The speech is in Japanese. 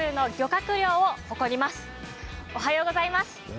おはようございます。